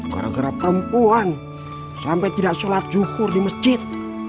gara gara perempuan sampai tidak sholat juhur di masjid